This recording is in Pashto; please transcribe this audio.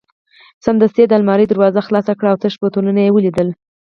سمدستي یې د المارۍ دروازه خلاصه کړل او تش بوتلونه یې ولیدل.